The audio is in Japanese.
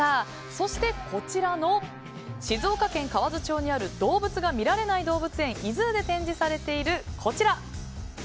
そして、静岡県河津町にある動物が見られない動物園ｉＺｏｏで展示されているこちら。